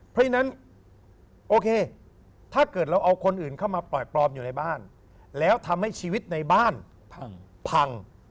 เพราะฉะนั้นโอเคถ้าเกิดเราเอาคนอื่นเข้ามาปล่อยปลอมอยู่ในบ้านแล้วทำให้ชีวิตในบ้านพัง